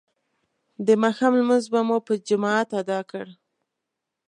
د ماښام لمونځ مو په جماعت ادا کړ.